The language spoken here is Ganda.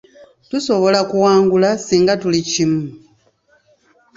Tusobola kuwangula singa tuli kimu.